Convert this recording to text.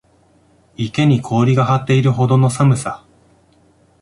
池に氷が張っているほどの寒さ